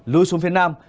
lưu xuống phía nam